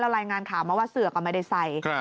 รายงานข่าวมาว่าเสือก็ไม่ได้ใส่